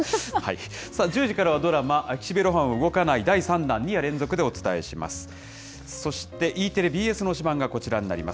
１０時からはドラマ、岸辺露伴は動かない第３弾、２夜連続でお伝えします。